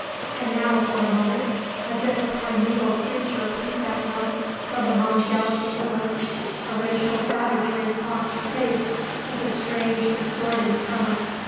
And now, for a moment, as if a primeval creature peeped at him from among delicate woodlands, a racial savagery crossed her face with a strange, distorting tremor.